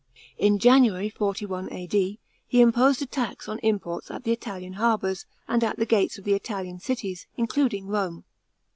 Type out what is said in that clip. In January, 41 A.D., he imposed a tax on imj orts at the Italian harbours, and at the gates of the Italian cities, in cluding Rome.